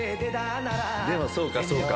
でもそうかそうか。